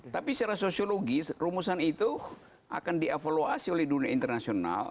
tapi secara sosiologis rumusan itu akan dievaluasi oleh dunia internasional